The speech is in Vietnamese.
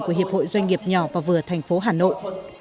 của hiệp hội doanh nghiệp nhỏ và vừa tp hà nội